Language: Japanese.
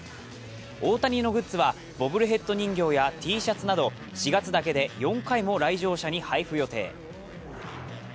大谷のグッズはボブルヘッド人形やＴシャツなど４月だけで４回も来場者に配布予定。